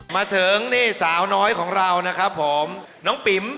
มาถึงนี่สาวน้อยของเรานะครับผมน้องปิ๋ม